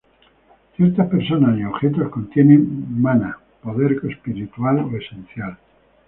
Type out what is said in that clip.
Ciertas personas y objetos contienen mana —poder espiritual o esencia—.